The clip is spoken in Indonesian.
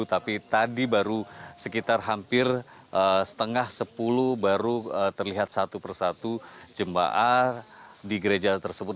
tapi tadi baru sekitar hampir setengah sepuluh baru terlihat satu persatu jemaah di gereja tersebut